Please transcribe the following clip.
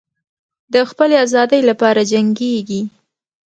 د خپلې آزادۍ لپاره جنګیږي.